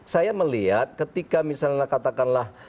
saya melihat ketika misalnya katakanlah